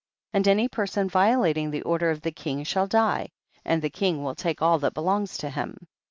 17. And any person violating the order of the king shall die, and the king will take all that belongs to him.